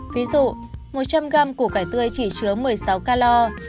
ví dụ một trăm linh gram củ cải tươi chỉ chứa một mươi sáu calor